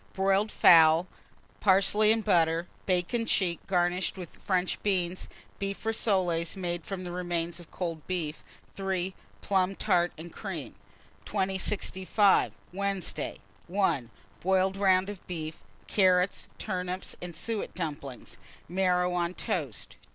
Boiled fowls, parsley and butter; bacon check, garnished with French beans; beef rissoles, made from remains of cold beef. 3. Plum tart and cream. 2065. Wednesday. 1. Boiled round of beef, carrots, turnips, and suet dumplings; marrow on toast.